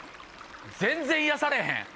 全然癒やされへん。